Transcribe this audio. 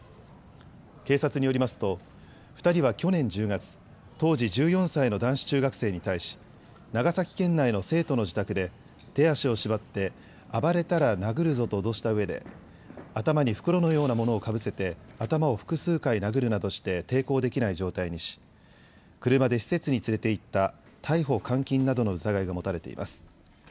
警察によりますと２人は去年１０月、当時１４歳の男子中学生に対し長崎県内の生徒の自宅で手足を縛って暴れたら殴るぞと脅したうえで頭に袋のようなものをかぶせて頭を複数回殴るなどして抵抗できない状態にし、車で施設に連れていった逮捕監禁などの疑いが持たれています。